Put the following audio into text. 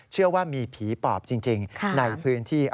เชื่อว่ามีผีปอบจริงในพื้นที่